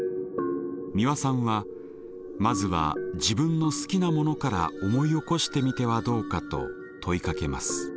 美輪さんはまずは自分の好きなものから思い起こしてみてはどうかと問いかけます。